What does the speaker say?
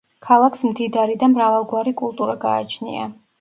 ქალაქს მდიდარი და მრავალგვარი კულტურა გააჩნია.